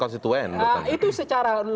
konstituen itu secara